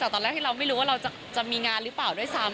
แต่ตอนแรกที่เราไม่รู้ว่าเราจะมีงานหรือเปล่าด้วยซ้ำ